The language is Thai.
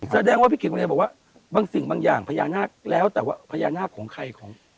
แสดงว่าพี่เก่งก็เลยบอกว่าบางสิ่งบางอย่างพญานาคแล้วแต่ว่าพญานาคของใครของ